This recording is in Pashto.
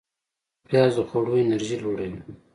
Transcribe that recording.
پیاز د خواړو انرژی لوړوي